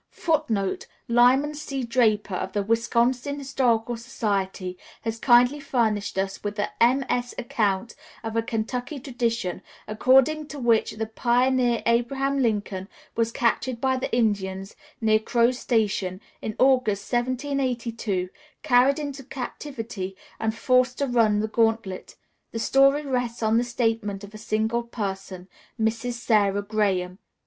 [Footnote: Lyman C. Draper, of the Wisconsin Historical Society, has kindly furnished us with a MS account of a Kentucky tradition according to which the pioneer Abraham Lincoln was captured by the Indians, near Crow's Station, in August, 1782, carried into captivity, and forced to run the gauntlet. The story rests on the statement of a single person, Mrs. Sarah Graham.